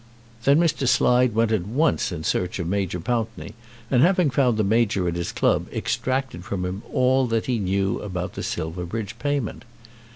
Then Mr. Slide went at once in search of Major Pountney, and having found the Major at his club extracted from him all that he knew about the Silverbridge payment.